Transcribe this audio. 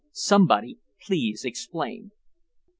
"Somebody please explain."